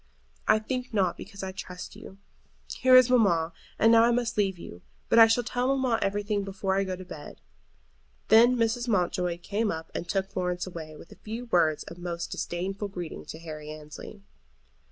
"I think not, because I trust you. Here is mamma, and now I must leave you. But I shall tell mamma everything before I go to bed." Then Mrs. Mountjoy came up and took Florence away, with a few words of most disdainful greeting to Harry Annesley.